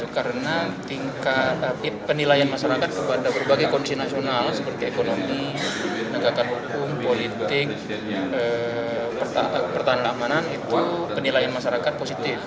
karena tingkat penilaian masyarakat kepada berbagai kondisi nasional seperti ekonomi negara hukum politik pertahanan keamanan itu penilaian masyarakat positif